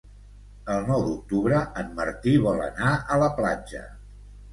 El nou d'octubre en Martí vol anar a la platja.